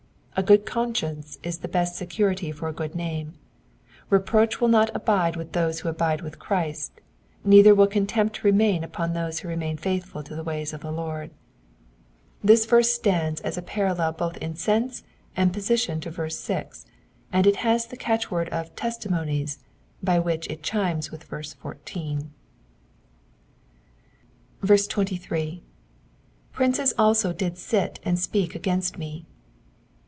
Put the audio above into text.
A good conscience is the best secuiity for a good name ; reproach will not abide with those who abide with Christ, neither will contempt remain upon those who remain faithful to the ways of the Lord. This verse stands as a parallel both in sense and position to verse 6, and it has the catchword of *^ testimonies,'* by which it chimes with 14. 23. ^'^ Princes also did sit and speak against me.